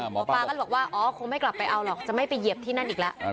หมอปลาก็เลยบอกว่าอ๋อคงไม่กลับไปเอาหรอกจะไม่ไปเหยียบที่นั่นอีกแล้ว